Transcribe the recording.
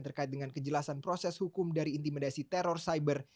terkait dengan kejelasan proses hukum dari intimidasi teror cyber